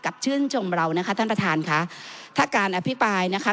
ชื่นชมเรานะคะท่านประธานค่ะถ้าการอภิปรายนะคะ